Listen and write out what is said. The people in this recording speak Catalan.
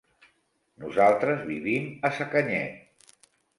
Nosaltres vivim a Sacanyet.